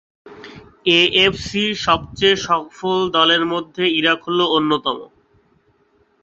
এএফসির সবচেয়ে সফল দলের মধ্যে ইরাক হল অন্যতম।